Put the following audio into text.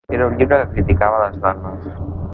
Era un llibre que criticava les dones.